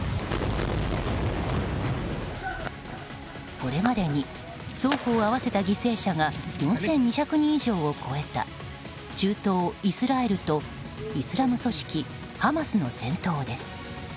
これまでに双方合わせた犠牲者が４２００人以上を超えた中東イスラエルとイスラム組織ハマスの戦闘です。